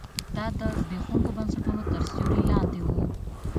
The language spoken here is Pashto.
دا د زبېښونکو بنسټونو تر سیوري لاندې و.